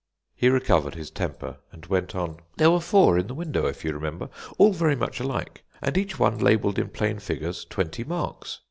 He recovered his temper, and went on: "There were four in the window, if you remember, all very much alike, and each one labelled in plain figures twenty marks.